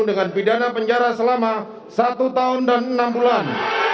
dengan pidana penjara selama satu tahun dan enam bulan